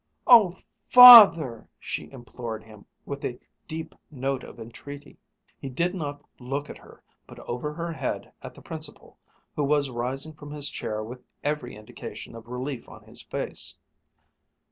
"Oh, Father!" she implored him, with a deep note of entreaty. He did not look at her, but over her head at the Principal, who was rising from his chair with every indication of relief on his face."